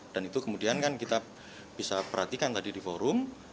dan itu kemudian kan kita bisa perhatikan tadi di forum